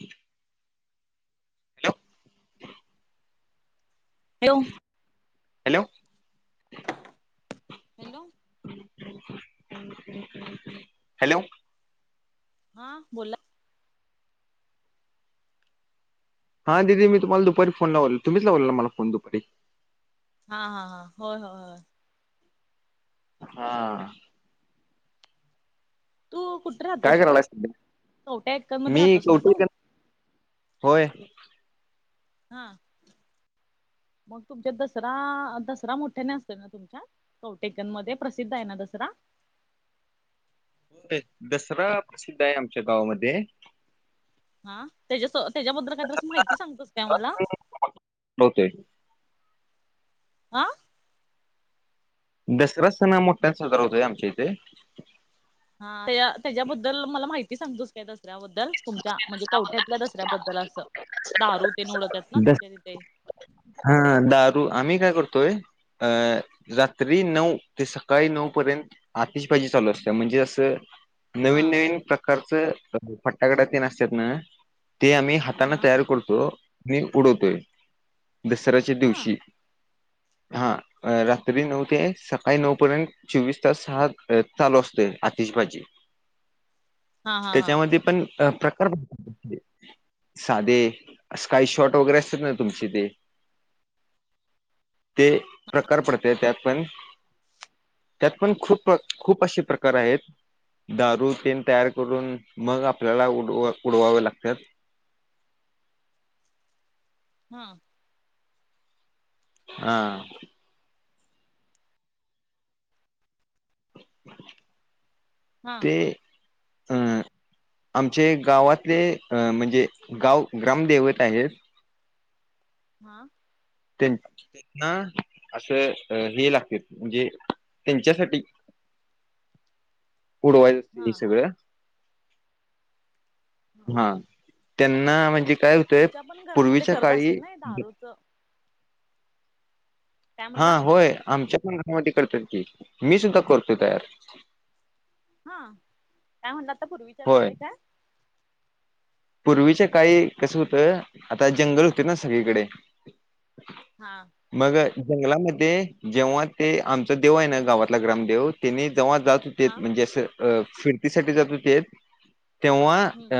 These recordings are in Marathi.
ह हेलो हॅलो हॅलो हॅलो हा बोला हां दिदी मी तुम्हाला दुपारी फोन लावलेलो तुम्हीच लावलेला मला फोन दुपारी हा हा हा होय होय होय हा तू कुठे काय राहतोस तू करायलाय सध्या? शवट्या एकर मध्ये मी राहतोस ना तू कवठे होय हा मग तुमच्या दसरा दसरा मोठ्याने असतोय ना तुमच्यात कौटेकंद मध्ये प्रसिद्ध आहे ना दसरा दसरा प्रसिद्ध आहे आमच्या गावामध्ये हा त्याच्या त्याच्याबद्दल काहीतर द्अस माहिती सांगतोस का मला होतोय हा दसरा असताना मोठ्याने साजरा होतोय आमच्या इथे हा त्या त्याच्याबद्दल मला माहिती सांगतोस काय दसऱ्याबद्दल तुमच्या म्हणजे कवठ्यातल्या दसऱ्याबद्दल असं दारू ते उडवत्यात ना दस तुमच्या तिथे हा दारू आम्ही काय करतोय अ रात्री नऊ ते सकाळी नऊ पर्यंत आतिशबाजी चालू असत्या म्हणजे असं हा नवीन नवीन प्रकारचं फटाकड्या तेन असतात ना ते आम्ही हातान हातान हा तयार करतो आणि उडवतोय दसऱ्याच्या हा दिवशी हा. अ रात्री नऊ ते, सकाळी नऊ पर्यंत, चोवीस तास हा चालू असतोय, आतिशबाजी. हा हा हा तेच्यामध्ये पण प्रकार साधे, स्काय शॉट वगैरे असतात ना तुमचे ते ते प्रकार पडत्यात पण त्यात पण, खूप खूप असे प्रकार आहेत. दारू तेन तयार करून, मग आपल्याला उडवा उडवावे लागतात. हा. हा. हा ते अ आमचे गावातले, म्हणजे गाव ग्रामदैवत आहेत हा. ते ना असं हे लागत्यात, म्हणजे त्यांच्यासाठी ऊडवायच असतय हे सगळं. हा, त्यांना म्हणजे काय मग होतय, तुमच्या पण घरामध्ये पूर्वीच्या करत काळी असतील ना दारूच काय म्हणला हा, होय आमच्या पण घरामध्ये करत्यात की, मी सुद्धा करतोय तयार. हा, काय म्हणला आता? पूर्वीच्या काळी काय? पूर्वीच काळी कसं होतं, आता जंगल ना सगळीकडे हा मग जंगलामध्ये, जेव्हा ते आमचा देव आहे ना गावातला ग्रामदेवत, त्यानी जव्हा ते हा म्हणजे असं, फिरतीसाठी जात होते, तेंव्हा हम्म अ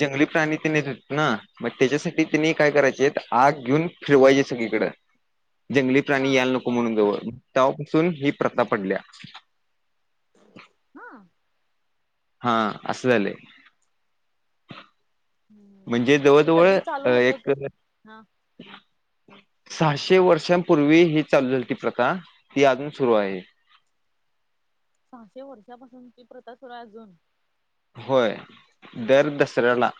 जंगली प्राणी तेन येत होतीत ना. मग त्याच्यासाठी तिनी काय करायचित? आग घेऊन फिरवायचे सगळीकडं. जंगली हा प्राणी यायला नको बर म्हणून जवळ, तवापासून ही प्रथा पडल्या. हा? हा, असं झालय. हम्म म्हणजे ते जवळ-जवळ कधी अ चालू होत एक ते हा सहाशे वर्षांपूर्वी ही चालू झालती प्रथा, ती अजून सुरू आहे. सहाशे वर्षापासून ती प्रथा सुरू आहे अजून? होय! दर दसऱ्याला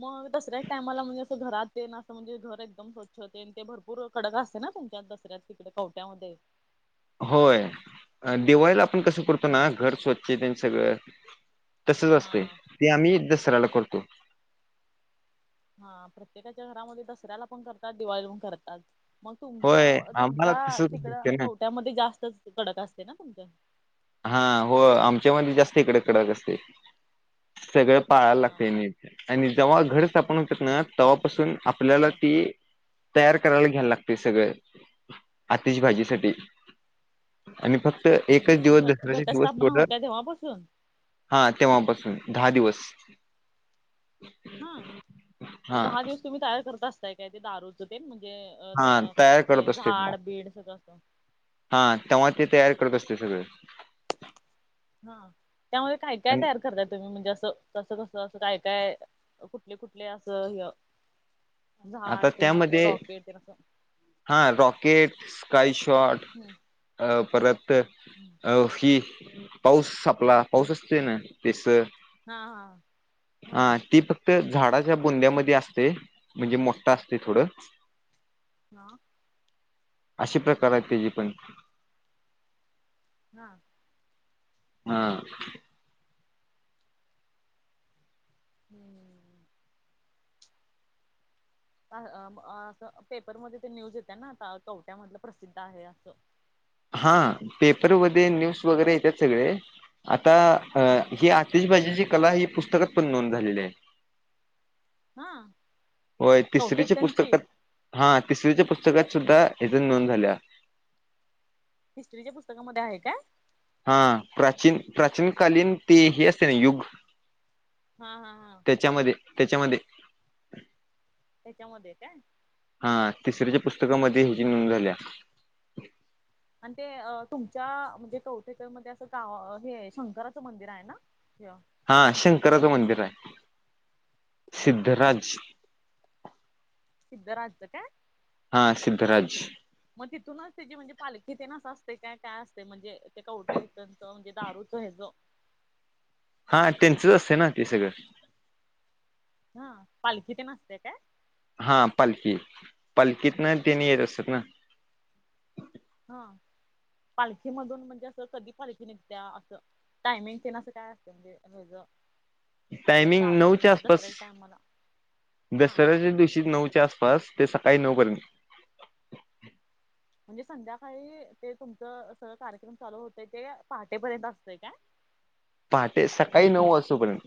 मग दसऱ्याच्या टायमाला म्हणजे, असं घरात तेन असं म्हणजे, घर एकदम स्वच्छ तेन ते भरपूर कडक असतय ना? तुमच्या दसऱ्यात तिकड कवठ्यामध्ये? होय! दिवाळीला आपण कसं करतो ना, घर स्वच्छ तेन सगळं तसच असतय, हा ते आम्ही दसऱ्याला करतो. हा, प्रत्येकाच्या घरामध्ये दसऱ्याला पण करतात. दिवाळीला पण करतात. मग होय तुमच्या आम्हाला तुमच्या तसंच तिकडं होते ना कवट्यामध्ये जास्तच कडक असतय ना तुमच? हा, हो. आमच्यामध्ये जास्त इकडे कडक असतय, सगळं पाळायला लागतय हा म. आणि जेव्हा घर सा [unintelligible] होतात ना तेव्हापासून आपल्याला ती तयार करायला घ्यायला लागतय सगळ, अतिशबाजीसाठी आणि फक्त कधी एकच दिवस घट दसऱ्याचे दिवस घटस्थापना टोट होत्या तेव्हापासून हा तेव्हापासून दहा दिवस. हा, हा मग दहा दिवस तुम्ही तयार करत असताय काय ते दारू? ते म्हणजे हा अ तयार हे करत असते तेव्हा झाड बीड सगळं असं? हा, तेव्हा ते तयार करत असतय सगळं. हा, त्यामध्ये काय काय आणि तयार करताय तुम्ही, म्हणजे अस तसं कसं असं काय काय कुठले कुठले असं ह आता झाड तेन असं, त्यामध्ये रॉकेट तेन असं हा, रॉकेट स्काय शॉट, हम्म अ परत [unintelligible] [inaudible] हो की. पाऊस आपला. पाऊस असते ना. त्याच हा हा हो हा. तीप त झाडाच्या बुंद्यामध्ये असते. म्हणजे मोठा असते थोडं. हॅलो [unintelligible] आशे प्रकार आहेत त्याजे पण. हां. हा. हम्म [unintelligible] अ अस पेपरमध्ये ते न्यूज येते ना आता. कवट्यामधलं प्रसिद्ध आहे असं. हा. पेपरमध्ये न्यूज वगैरे येत सगळे. आता हम्म ह आ तीशबाजीची कला ही. पुस्तकात पण नोंद झालेली आहे. हा होय. तिसरीचे कवटेकनची पुस्तकात. हा. तिसरी्याच्या पुस्तकात सुद्धा. ह्याची नोंद झाल्या. हिस्ट्रीच्या पुस्तकामध्ये आहे काय? हा. प्राचीन प्राचीन कालीन. ते हे असते ना. युग. हा हा हा. त्याच्यामध्ये. त्याच्यामध्ये. त्याच्यामध्ये काय? हा. तिसऱ्याच्या पुस्तकामध्ये. ह्याची नोंद झाल्या. अध ते अ तुमच्या. म्हणजे कवटेश्वर मध्ये असं. गाव हे शंकराचं मंदिर आहे ना. अ [unintelligible] हा. शंकराचं मंदिर आहे. हा सिद्धराज. सिद्धराजच काय? हा सिद्धराज. मग तिथूनच ते जे म्हणजे पालखी ते ना असं असते काय? काय असते. म्हणजे ते कटेथच म्हणजे दारूच हेच. हा त्यांचच असते ना. ते सगळं. हा पालखी ते नसते काय? हा पालखी. पालखीत ना ते नेत असतात ना. हा पालखीमधून म्हणजे असं. कधी पालखी निघत्या. असं. टायमिंग तेन असं काय असतं. म्हणजे रोज. टायमिंग नऊच्या आसपास. दसऱ्याच्या टायमाला हा दसऱ्याच्या दिवशी नऊच्या आस पास ते सकाळी नऊपर्यंत. म्हणजे संध्याकाळी. ते तुमचं सगळं कार्यक्रम चालू होतय. ते पहाटेपर्यंत असतंय काय? पहाटे. सकाळी नऊ वाजेपर्यंत.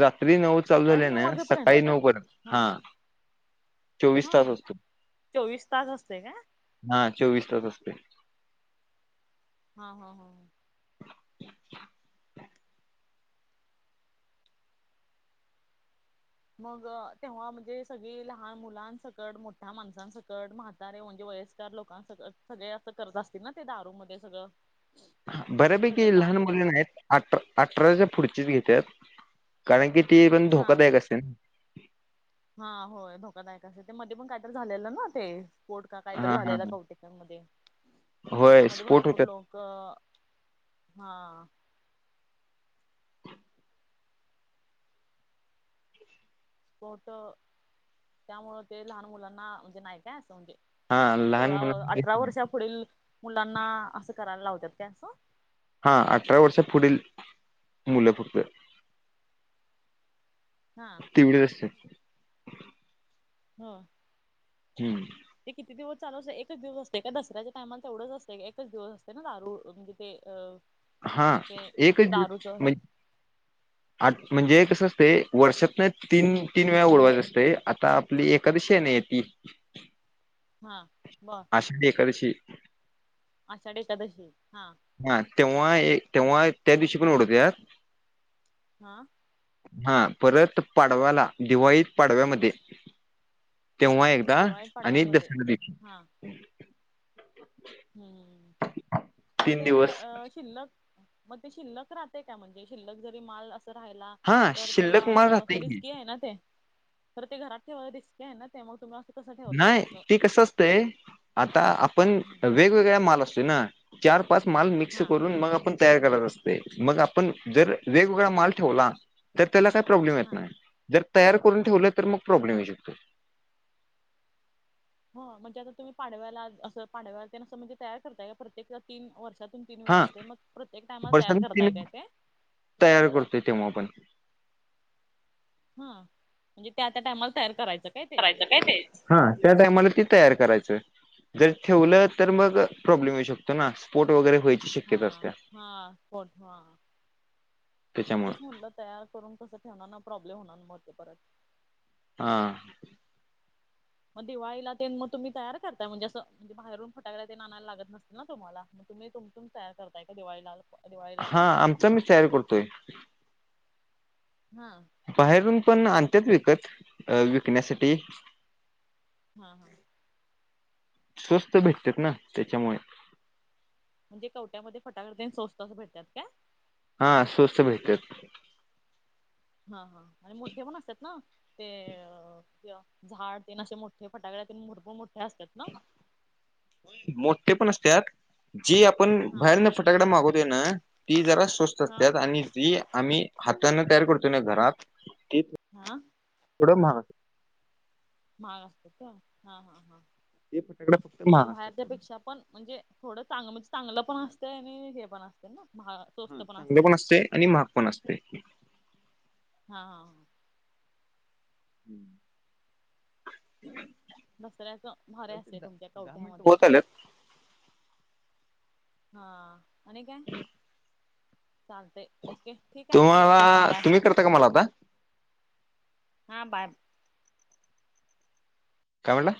रात्री नऊ चालू सकाळी झाले नऊ ना. वाजेपर्यंत सकाळी नऊ पर्यंत. हा. चोवीस हा. तास असतो चोवीस तास असते का? हा. चोवीस तास असते. हा हा हा ह. मग तेव्हा म्हणजे. सगळी लहान मुलांन सकट. मोठ्या माणसांन सकट. म्हा तारे म्हणजे वयस्कार लोकां अस. सगळे असं करत असतील ना. ते दारूमध्ये सगळं. बऱ्यापैकी सगळं लहान काम ते मुलंना नाहीत. अठरा अठराच्या पुढचीच घेत्यात. कारण की. ती पण हा धोकादायक असतेन. हा होय. धोकादायक असते. मध्ये पण काहीतरी झालेलं ना ते. पोट का काहीतरी हा हा झालेलं बवुतेक. मध्ये. होय त्यामध्ये स्पोर्ट भरपूर होतात लोक. हा. कोट. त्यामुळं ते लहान मुलांना. म्हणजे नाही काय. असं म्हणजे. हा लहान सोळा. मुलां अठरा वर्षा पुढील मुलांना. असं करायला लावतात का? असं. हा. अठरा वर्षा पुढील. मुलं फक्त. हा तेवढे असते. ह. हम्म. ते किती दिवस चालू असते एकच दिवस असते का दसऱ्याच्या टायमाला तर तेवढंच असते एकच दिवस असते ना दारू म्हणजे. ते हा ते एकच दारूच हे म्हणजे आठ म्हणजे कसं असते वर्षात नाही तीन तीन वेळा ओडवायच असते आता आपली एकादशीे नाही य ती हा बर. आषाढी एकादशी. आषाढी एकादशी हा. हा तेव्हा एक तेव्हा त्या दिवशी पण ओढवत या हा. हा परत पाडव्याला दिवाळीत पाडव्यामध्ये तेव्हा एकदा दिवाळीत आणि दस पाडव्यामध्ये हा हम्म मग तीन ते दिवस अ शिल्लक मग ते शिल्लक राहते का म्हणजे शिल्लक जरी माल असं राहियला. हा तर त्याला शिल्लक माल असं राहतय की रिस्की आहे ना ते तर ते घरात ठेवायला रिस्की आहे ना ते मग तुमला नाही ती कसं असतय आता आपण हम्म. वेगवेगळ्या माल असतो ना. चार पाच माल मिक्स हा करून मग आपण तयार करत असते मग आपण जर वेगवेगळा माल ठेवला. तर त्याला काही प्रॉब्लेम येत हा नाही जर तयार करून ठेवलं तर मग प्रॉब्लेम येऊ शकतो. हो म्हणजे आता तुम्ही पाडव्याला असं पाडव्याला असं म्हणजे तयार करताय का प्रत्येक तीन वर्षात. दोन तीन वेळा हा असते मग प्रत्येक टायमाला तयार वर्षांनी करताय काय ते तयार करतोय तेव्हा आपण हा म्हणजे ते त्या टायमाला तयार करायचं काय ते करायचं हा त्या टायमाला ते तयार करायचं जर ठेवलं तर मग हं. प्रॉब्म येऊ शत ना स्पोट वगरे होय. हा हाठ ह. त्याच्यामुळे हेच म्हटलं तयार करून कसं ठेवणार प्रॉब्लेम होणार म ते परत हा. मग दिवाळीला ते मग तुम्ही तयार करताय म्हणजे असं म्हणजे बाहेरून फटाकायला ते नायला लागत नसतील ना तुम्हाला. म तुम्ही तुम तु तया करताय का दिवाळीला लाल हा आमचा मी तयार करतोय. हा. बाहेरून पण अंत्याेत विकत विकण्यासाठी हां हां. स्वस्त भेटत ना त्याच्यामुळे. म्हणजे कवट्यामध्ये फटाकट दे स्वस्त असं भेटतात का? हा स्वस्थ भेटतात. हा हा आणि मोठे पण असतात ना. ते झाड ते असे मोठे फटाकळे भरपूर मोठे असतात. ना मोठे पण असत. जी आपण हा बाहेरन फटाकडा मागवत ना ती जरा स्वस्त हा असतात आणि जी आम्ही हाताना तयार करतो ना घरात हा. उडं महा महाग असत का हा हा हा ते फटाकडे फक्त म्हणजे महाग असतात बाहेरच्या थोडं पेक्षा पण म्हणजे थोडं चांगल म्हणजे चांगलं पण असतं आणि हे पण असते ना. स्वस्त ह चांगल असतंय पण असते आणि महाग पण असते. हा हां ह. हम्म. दसऱ्याच भारे असते चालतंय, तुमच्या दहा मिनिट कवठ्यामध्ये होत आल्यात हा आणि काय चालतंय. ओके ठीक आहे ठेवते तुम्हाला बाय तुम्ही करता का मला आता हा बाय. काय म्हणला.